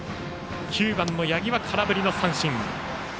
９番の八木は空振りの三振。